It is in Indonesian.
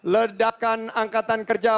ledakan angkatan kerja